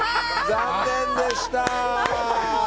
残念でした！